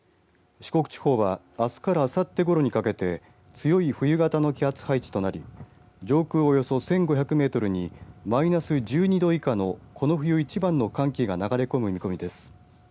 四国地方はあすからあさってごろにかけて強い冬型の気圧配置となり上空およそ１５００メートルにマイナス１２度以下のこの冬一番の寒気が流れ込む見込みです。